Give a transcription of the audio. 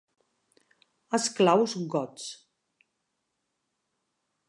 Esclaus gots.